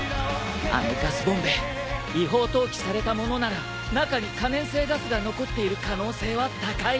あのガスボンベ違法投棄されたものなら中に可燃性ガスが残っている可能性は高い。